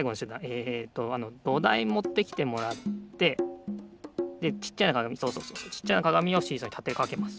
えっとあのどだいもってきてもらってでちっちゃなかがみそうそうそうちっちゃなかがみをシーソーにたてかけます。